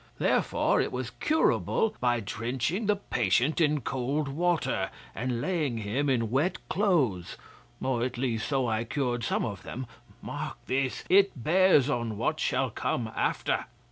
Therefore it was curable by drenching the patient in cold water, and laying him in wet cloths; or at least, so I cured some of them. Mark this. It bears on what shall come after.